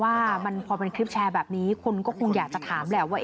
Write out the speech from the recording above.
ว่ามันพอเป็นคลิปแชร์แบบนี้คนก็คงอยากจะถามแหละว่า